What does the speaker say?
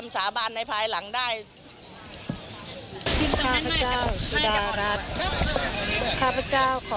สาโชค